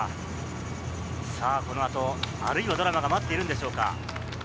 この後、あるいはドラマが待っているんでしょうか？